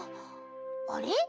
あれ？